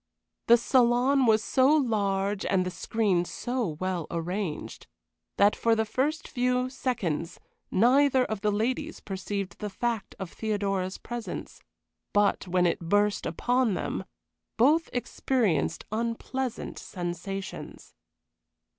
The saloon was so large and the screens so well arranged, that for the first few seconds neither of the ladies perceived the fact of Theodora's presence. But when it burst upon them, both experienced unpleasant sensations.